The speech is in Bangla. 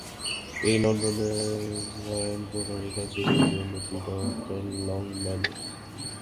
একটি লন্ডনের রয়েল বোটানিক্যাল সোসাইটির, অন্যটি ডঃ লংম্যানের।